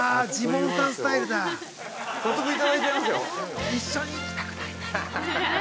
早速いただいちゃいますよ。